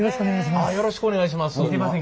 よろしくお願いします。